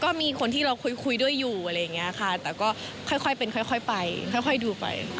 ก็มีคนที่เราคุยด้วยอยู่อะไรอย่างนี้ค่ะแต่ก็ค่อยเป็นค่อยไปค่อยดูไป